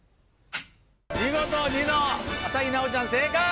見事ニノ朝日奈央ちゃん正解！